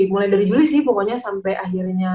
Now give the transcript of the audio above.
mulai dari juli sih pokoknya sampai akhirnya